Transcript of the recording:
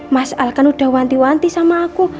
mas al kan udah wanti wanti sama aku